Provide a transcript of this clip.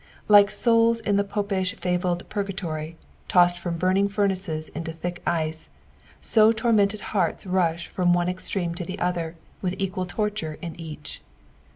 Like soulB id the Popish fabled Purgatory, tossed from burning furnaces into thick ice, so tormented hearts rush from one extreme to the other, with e<}ua] torture in each.